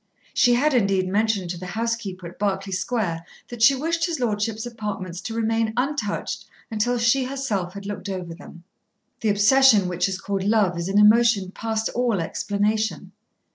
She had indeed mentioned to the housekeeper at Berkeley Square that she wished his lordship's apartments to remain untouched until she herself had looked over them. The obsession which is called Love is an emotion past all explanation.